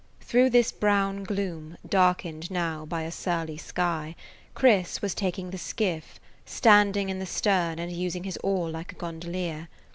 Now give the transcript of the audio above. Through this brown gloom, darkened now by a surly sky, Chris was taking the [Page 82] skiff, standing in the stern and using his oar like a gondolier.